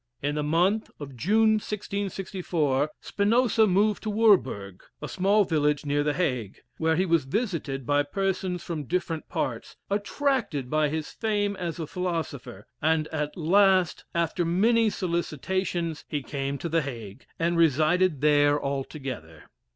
In the month of June, 1664, Spinoza removed to Woorburg, a small village near the Hague, where he was visited by persons from different parts, attracted by his fame as a philosopher; and at last, after many solicitations he came to the Hague, and resided there altogether.